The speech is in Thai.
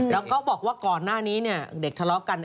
แล้วก็บอกว่าก่อนหน้านี้เด็กทะเลาะกัน